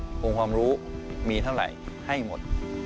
ทีนี้พออุงความรู้มีเท่าไหร่ให้หมด